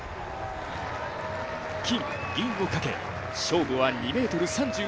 金・銀をかけ、勝負は２ｍ３７ｃｍ。